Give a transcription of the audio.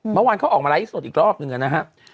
เมื่อวานเขาออกมาไลฟ์สดอีกรอบหนึ่งนะครับ